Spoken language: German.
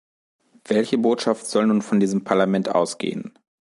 Welche Botschaft soll nun von diesem Parlament ausgehen?